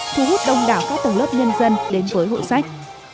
thu hút đông đảo các tầng lớp nhân dân đến với hội sách